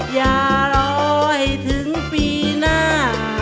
อย่ารอยถึงปีหน้า